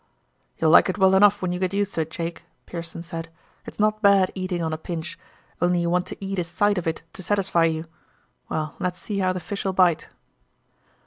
"You'll like it well enough when you get used to it, Jake," Pearson said. "It's not bad eating on a pinch, only you want to eat a sight of it to satisfy you. Well, let's see how the fish'll bite."